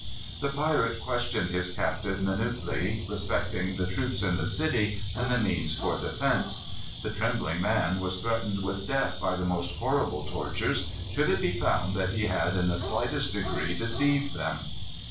The pirate questioned his captive minutely, respecting the troops in the city, and the means for defence. The trembling man was threatened with death by the most horrible tortures, should it be found that he had in the slightest degree deceived them.